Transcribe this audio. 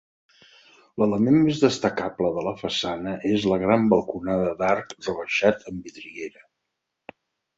L'element més destacable de la façana és la gran balconada d'arc rebaixat amb vidriera.